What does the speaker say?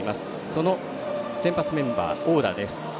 その先発メンバー、オーダーです。